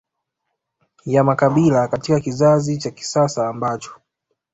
ya makabila katika kizazi cha kisasa ambacho